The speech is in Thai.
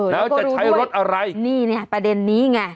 แล้วจะใช้รถอะไรนี่เนี่ยประเด็นนี้ไง